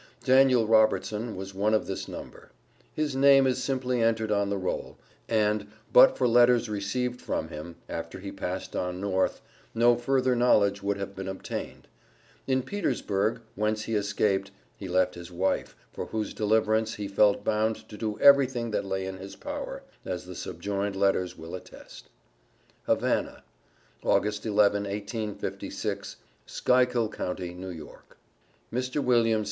Daniel Robertson was one of this number; his name is simply entered on the roll, and, but for letters received from him, after he passed on North, no further knowledge would have been obtained. In Petersburg, whence he escaped, he left his wife, for whose deliverance he felt bound to do everything that lay in his power, as the subjoined letters will attest: HAVANA, August 11, 1856, Schuylkill Co., N.Y. MR. WM.